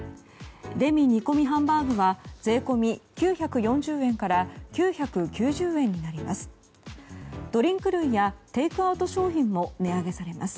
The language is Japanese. デミ煮込みハンバーグは税込み９４０円から９９０円になります。